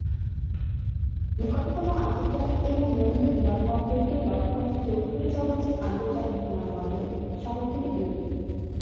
নিকটতম আন্তর্জাতিক এবং নিয়মিত বিমানবন্দরটি লখনউয়ের চৌধুরী চরণ সিং আন্তর্জাতিক বিমানবন্দর, শহর থেকে দূরে।